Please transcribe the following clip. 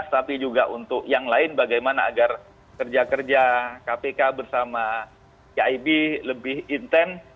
tapi juga untuk yang lain bagaimana agar kerja kerja kpk bersama kib lebih intent